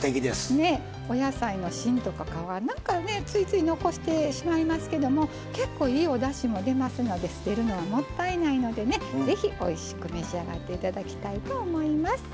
お野菜の芯とか皮なんかねついつい残してしまいますけども結構いいおだしも出ますので捨てるのはもったいないのでね是非おいしく召し上がって頂きたいと思います。